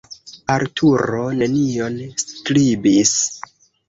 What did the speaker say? Arturo nenion skribis.